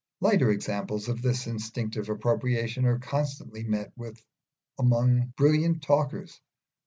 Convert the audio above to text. Lighter examples of this instinctive appropriation are constantly met with among brilliant talkers.